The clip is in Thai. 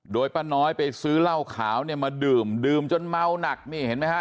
โดยป้าน้อยไปซื้อเหล้าขาวเนี่ยมาดื่มดื่มจนเมาหนักนี่เห็นไหมฮะ